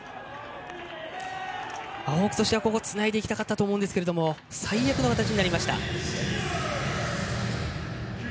ここはつないでいきたかったと思うんですが最悪の形になりました。